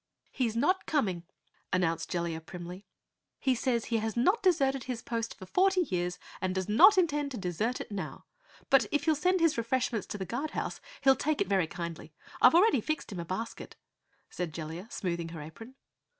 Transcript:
"He's not coming," announced Jellia primly. "He says he has not deserted his post for forty years and does not intend to desert it now. But if you'll send his refreshments to the Guard House, he'll take it very kindly. I've already fixed him a basket," said Jellia, smoothing her apron.